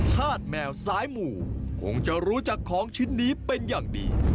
ธาตุแมวซ้ายหมู่คงจะรู้จักของชิ้นนี้เป็นอย่างดี